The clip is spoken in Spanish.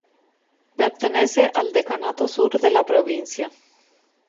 Pertenece al Decanato Sur de la Provincia.